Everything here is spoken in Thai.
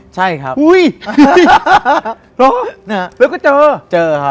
ใช่ครับ